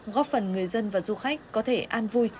góp phần người dân và du khách có thể an vui